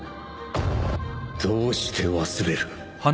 どうして忘れる？